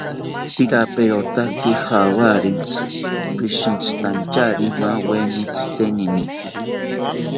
Piraperotaki jawarintzi, pishintzitantyari maaweni tzitenini